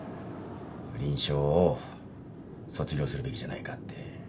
臨床を卒業するべきじゃないかって。